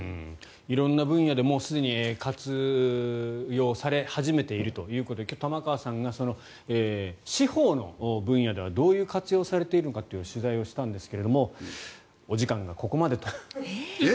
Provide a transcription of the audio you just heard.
色んな分野でもうすでに活用され始めているということで今日、玉川さんが司法の分野ではどういう活用をされているのかっていう取材をしたんですがお時間がここまでと。